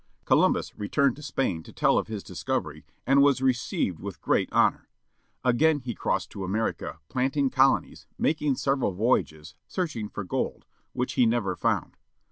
Columbus returned to Spain to tell of his discovery, and was received with great honour. Again he crossed to America, planting colonies, making several voyages, searching for gold â ^which he never found.